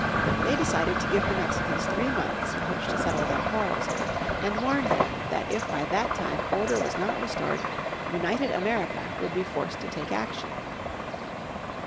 They decided to give the Mexicans three months in which to settle their quarrels, and warned them that if by that time order was not restored United America would be forced to take action.